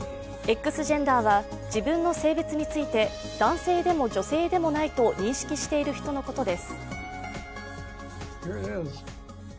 Ｘジェンダーは、自分の性別について男性でも女性でもないと認識している人のことです。